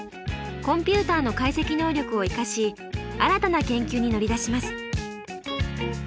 コンピューターの解析能力を生かし新たな研究に乗り出します。